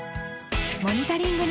モニタリングに